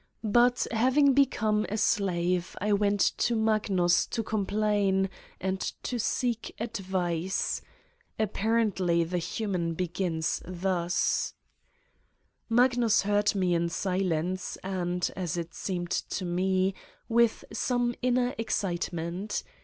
But having become a slave I went to Magnus to complain and to seek advice apparently the human begins thus. 151 Satan's Diary Magnus heard me in silence and, as it seemed to me, with some inner excitement.